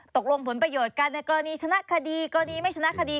ผลประโยชน์กันในกรณีชนะคดีกรณีไม่ชนะคดี